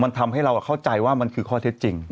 มันทำให้เราเข้าใจว่ามันคือข้อเท็จจริง